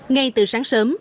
ngay từ sáng sớm